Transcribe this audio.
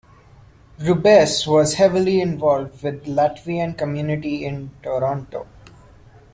Rubess was heavily involved with the Latvian community in Toronto.